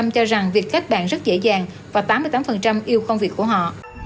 bảy mươi bảy cho rằng việc khách bạn rất dễ dàng và tám mươi tám yêu công việc của họ